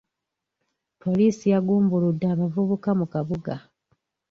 Poliisi yagumbuludde abavubuka mu kabuga.